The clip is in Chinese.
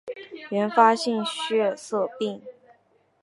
原发性血色病